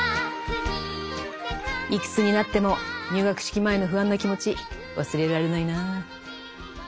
いくつになっても入学式前の不安な気持ち忘れられないなぁ。